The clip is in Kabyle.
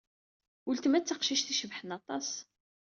Uletma d taqcict icebḥen aṭas.